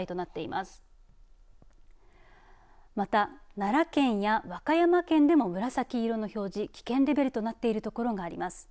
また奈良県や和歌山県でも紫色の表示、危険レベルとなっているところがあります。